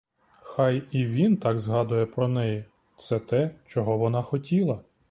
Хай і він так згадує про неї, це те, чого вона хотіла!